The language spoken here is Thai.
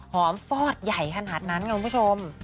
หอมฟอดใหญ่ขนาดนั้นคุณผู้ชม